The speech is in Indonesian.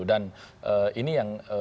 dan ini yang